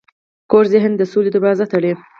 کوږ ذهن د سولې دروازه تړي